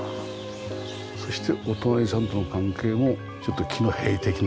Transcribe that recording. そしてお隣さんとの関係もちょっと木の塀的な感じがして。